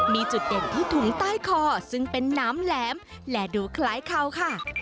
มีจุดเด่นที่ถุงใต้คอซึ่งเป็นน้ำแหลมและดูคล้ายเขาค่ะ